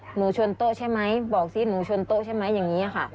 หนูชนโต๊ะใช่ไหมบอกสิหนูชนโต๊ะใช่ไหมอย่างนี้ค่ะ